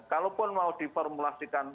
kalaupun mau diformulasikan